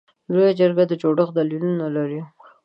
لویه جرګه د جوړښت دلیلونه لري.